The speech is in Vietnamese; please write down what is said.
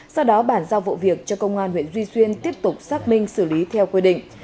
sau đó bản giao vụ việc cho công an huyện duy xuyên tiếp tục xác minh xử lý theo quy định